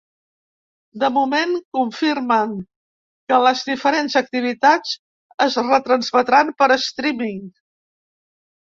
De moment confirmen que les diferents activitats es retransmetran per streaming.